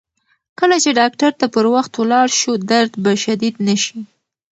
کله چې ډاکتر ته پر وخت ولاړ شو، درد به شدید نه شي.